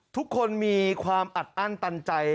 ทุกคนมีความอัดอั้นตันใจ